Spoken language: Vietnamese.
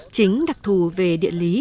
chính đặc thù về địa lý